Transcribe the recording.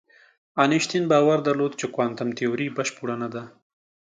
انشتین باور درلود چې کوانتم تیوري بشپړه نه ده.